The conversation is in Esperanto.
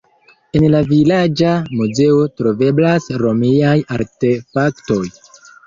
En la vilaĝa muzeo troveblas romiaj artefaktoj.